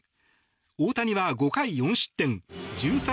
大谷は５回４失点１３